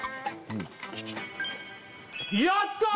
やったー！